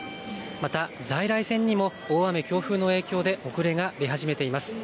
また在来線にも大雨、強風の影響で遅れが出始めています。